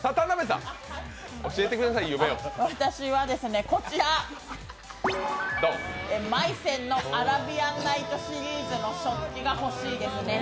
私はこちら、マイセンのアラビアンナイトシリーズの食器が欲しいですね。